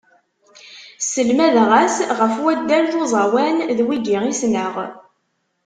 Sselmadeɣ-as ɣef waddal d uẓawan, d wigi i ssneɣ.